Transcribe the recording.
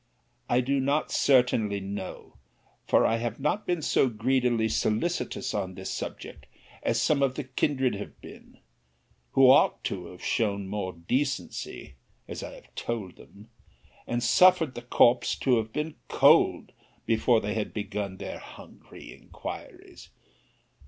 I do not certainly know; for I have not been so greedily solicitous on this subject as some of the kindred have been, who ought to have shown more decency, as I have told them, and suffered the corpse to have been cold before they had begun their hungry inquiries.